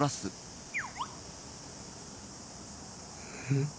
ん？